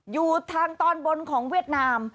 อยู่ทางตอนบนของเวียดนาม